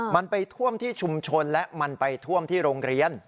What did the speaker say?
มันไปท่วมที่ชุมชนและมันไปท่วมที่โรงเรียน